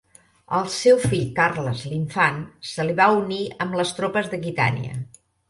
El seu fill Carles l'Infant se li va unir amb les tropes d'Aquitània.